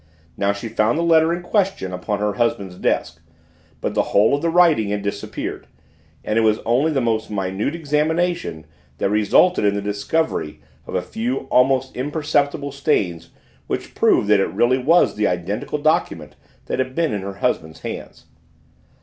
Now, she found the letter in question upon her husband's desk, but the whole of the writing had disappeared, and it was only the most minute examination that resulted in the discovery of a few almost imperceptible stains which proved that it really was the identical document that had been in her husband's hands.